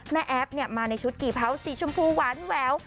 แอฟมาในชุดกี่เผาสีชมพูหวานแวว